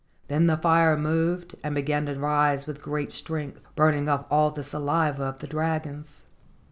Then the fire moved and began to rise with great strength, burning off all the saliva of the dragons.